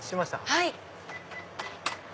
はい。